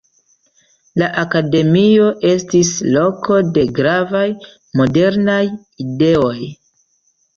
La akademio estis loko de gravaj modernaj ideoj.